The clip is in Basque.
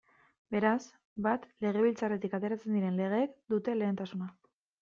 Beraz, bat, Legebiltzarretik ateratzen diren legeek dute lehentasuna.